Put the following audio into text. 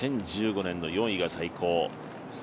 ２０１５年の４位が最高。